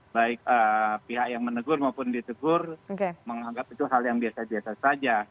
baik pihak yang menegur maupun ditegur menganggap itu hal yang biasa biasa saja